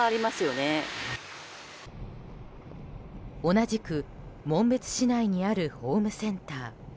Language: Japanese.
同じく紋別市内にあるホームセンター。